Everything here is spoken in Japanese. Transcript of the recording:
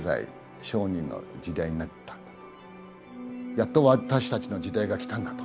やっと私たちの時代がきたんだと。